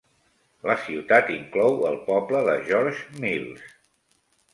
La ciutat inclou el poble de Georges Mills.